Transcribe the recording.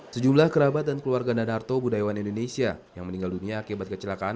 sejumlah kerabat dan keluarga nadarto budayawan indonesia yang meninggal dunia akibat kecelakaan